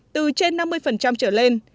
từ trên năm mươi trở lên